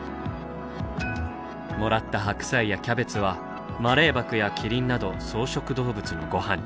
もらった白菜やキャベツはマレーバクやキリンなど草食動物のごはんに。